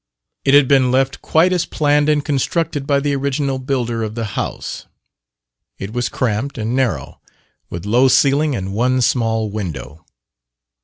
It had been left quite as planned and constructed by the original builder of the house. It was cramped and narrow, with low ceiling and one small window.